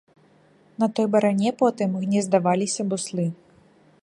На той баране потым гнездаваліся буслы.